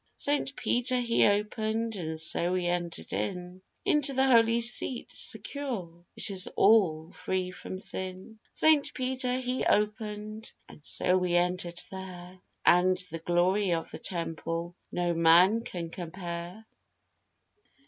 St. Peter he opened, and so we entered in, Into the holy seat secure, which is all free from sin; St. Peter he opened, and so we entered there, And the glory of the temple no man can compare.